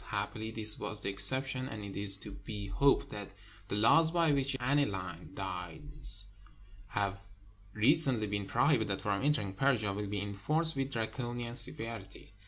Happily this was the exception, and it is to be hoped that the laws by which aniline dyes have recently been prohibited from entering Persia will be enforced with Draconian severity.